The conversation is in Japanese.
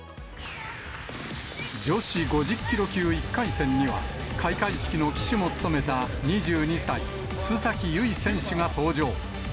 女子５０キロ級１回戦には、開会式の旗手も務めた２２歳、須崎優衣選手が登場。